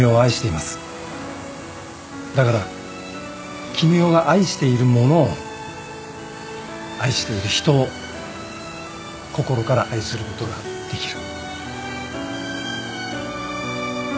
だから絹代が愛しているものを愛している人を心から愛することができる。